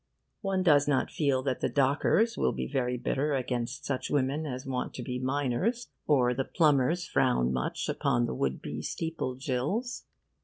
One does not feel that the dockers will be very bitter against such women as want to be miners, or the plumbers frown much upon the would be steeple jills.